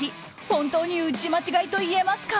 本当に打ち間違いと言えますか？